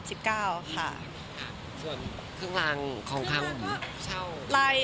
ส่วนเครื่องรางของขังเช่าไล่